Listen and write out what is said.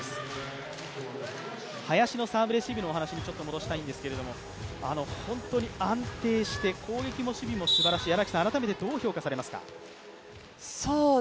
林のサーブレシーブの話に戻したいんですけれども本当に安定して、攻撃も守備もすばらしい、改めて、どう評価されますか？